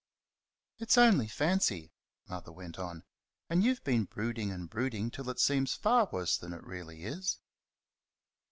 "It's only fancy," Mother went on. "And you've been brooding and brooding till it seems far worse than it really is."